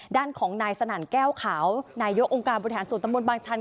ด้านของนายสนานแก้วขาวนายโยกองค์การบริฐานสวนตะมนต์บางชั้น